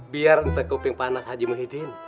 biar ntar kuping panas haji muhyiddin